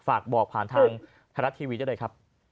ฝากบอกผ่านทางไทยรัฐทีวีได้เลยครับ